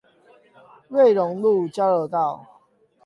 瑞隆路交流道